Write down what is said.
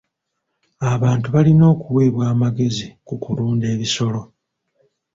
Abantu balina okuweebwa amagezi ku kulunda ebisolo.